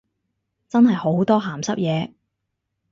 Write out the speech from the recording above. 真係好多鹹濕嘢